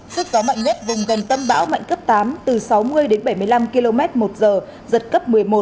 sức gió mạnh nhất vùng gần tâm bão mạnh cấp tám từ sáu mươi đến bảy mươi năm km một giờ giật cấp một mươi một